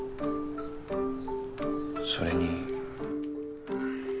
それに。